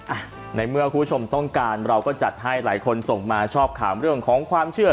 อ่ะในเมื่อคุณผู้ชมต้องการเราก็จัดให้หลายคนส่งมาชอบถามเรื่องของความเชื่อ